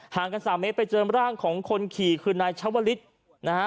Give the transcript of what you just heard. กันสามเมตรไปเจอร่างของคนขี่คือนายชาวลิศนะฮะ